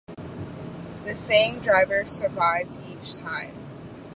The same driver survived each time.